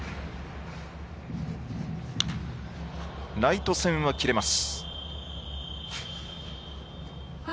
ライト線は切れます。